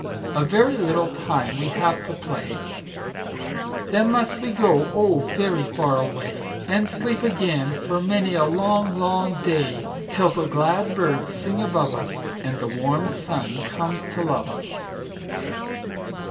"A very little time we have to play, Then must we go, oh, very far away, And sleep again for many a long, long day, Till the glad birds sing above us, And the warm sun comes to love us.